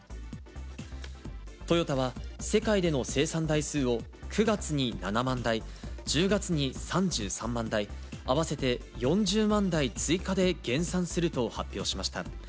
トヨタは世界での生産台数を９月に７万台、１０月に３３万台、合わせて４０万台追加で減産すると発表しました。